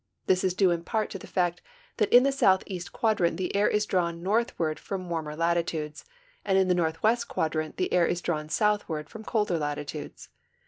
This is due in part to the fact that in the southeast quadrant the air is drawn northward from warmer latitudes, and in the northwest quadrant the air is drawn southward from colder latitudes.